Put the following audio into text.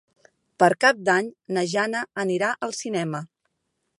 Per Cap d'Any na Jana anirà al cinema.